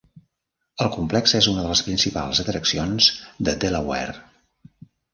El complexe és una de las principals atraccions de Delaware.